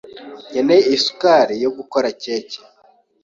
Nkeneye isukari yo gukora keke.